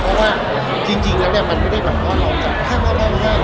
เพราะว่าจริงแล้วเนี้ยมันไม่ได้แบบออกจากห้ามร่วมทุกข์